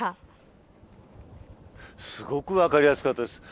すごく分かりやすかったです。